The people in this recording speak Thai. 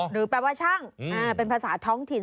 หรือแปลว่าช่างเป็นภาษาท้องถิ่น